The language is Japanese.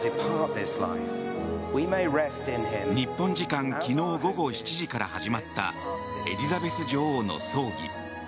日本時間昨日午後７時から始まったエリザベス女王の葬儀。